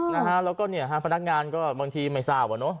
นะฮะแล้วก็เนี่ยฮะพนักงานก็บางทีไม่ทราบอ่ะเนอะ